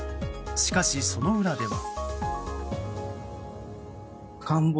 しかし、その裏では。